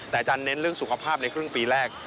แต่อาจารย์เน้นเรื่องสุขภาพในครึ่งปีแรก